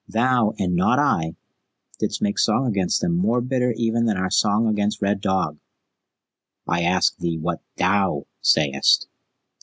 Thou, and not I, didst make song against them more bitter even than our song against Red Dog." "I ask thee what THOU sayest?"